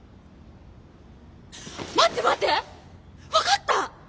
待って待って分かった！